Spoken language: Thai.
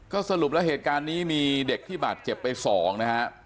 ก็สรุปแล้วเหตุการณ์นี้มีเด็กที่บาดเจ็บไป๒นะฮะ